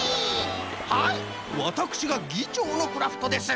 はいわたくしがぎちょうのクラフトです。